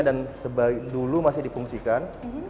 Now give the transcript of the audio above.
dan dulu masih dipungsikan